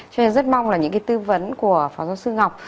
cho nên rất mong là những cái tư vấn của phó giáo sư ngọc